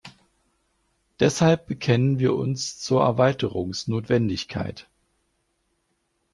Deshalb bekennen wir uns zur Erweiterungsnotwendigkeit.